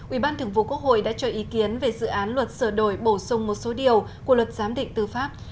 ubthqh đã cho ý kiến về dự án luật sửa đổi bổ sung một số điều của luật giám định tư pháp